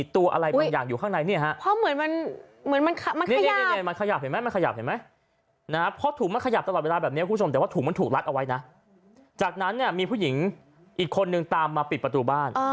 แต่ว่าถุงมันถูกลัดเอาไว้นะจากนั้นมีผู้หญิงอีกคนนึงตามมาปิดประตูบ้าน